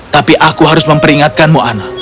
tapi aku harus memperingatkanmu ana